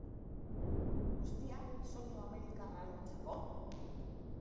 Guztia, soinu amerikarra lortzeko?